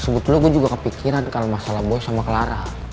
sebetulnya gue juga kepikiran kalau masalah bos sama clara